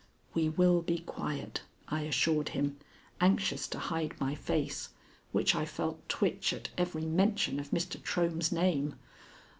"We will be quiet," I assured him, anxious to hide my face, which I felt twitch at every mention of Mr. Trohm's name.